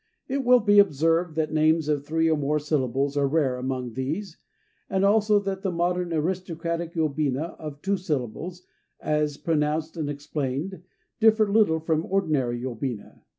It will be observed that names of three or more syllables are rare among these, and also that the modern aristocratic yobina of two syllables, as pronounced and explained, differ little from ordinary yobina.